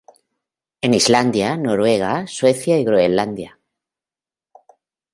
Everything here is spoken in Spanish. En Islandia, Noruega, Suecia y Groenlandia.